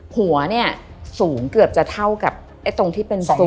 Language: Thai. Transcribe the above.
หัวเนี่ยสูงเกือบจะเท่ากับตรงที่เป็นศพ